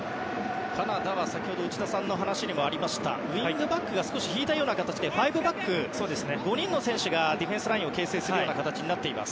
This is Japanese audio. カナダは先ほど内田さんの話にもありましたがウィングバックが少し引いたような形で５バック、５人の選手が形成する形になっています。